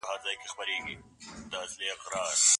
ايا پلار کولای سي خپله لور په زور چا ته ورکړي؟